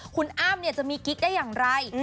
คุณอ้ำจะมีกิ๊กได้อย่างไร